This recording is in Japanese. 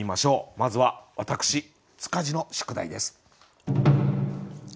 まずは私塚地の宿題です。